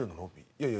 いやいや